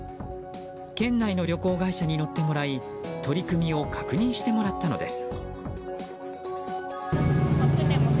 県内の旅行会社に乗ってもらい取り組みを確認してもらったのです。